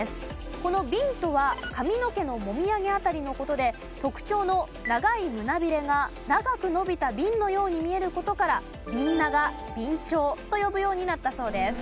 この「鬢」とは髪の毛のもみあげ辺りの事で特徴の長い胸びれが長く伸びた鬢のように見える事からビンナガビンチョウと呼ぶようになったそうです。